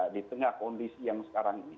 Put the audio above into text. di tengah kondisi yang sekarang ini